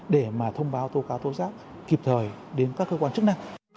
để thông báo thô cáo thô giác kịp thời đến các cơ quan chức năng